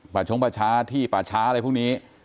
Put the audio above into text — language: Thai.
ประชงประชาที่ประชาอะไรพวกนี้